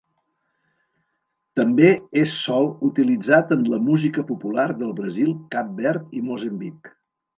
També és sol utilitzat en la música popular del Brasil, Cap Verd i Moçambic.